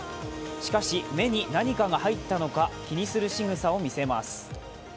しかし、目に何かが入ったのか気にするしぐさを見せます。